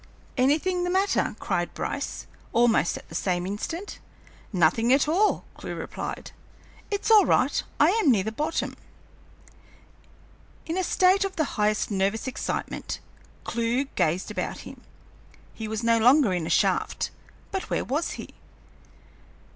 "Anything the matter?" cried Bryce, almost at the same instant. "Nothing at all," Clewe replied. "It's all right, I am near the bottom." In a state of the highest nervous excitement, Clewe gazed about him. He was no longer in a shaft; but where was he?